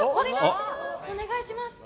お願いします。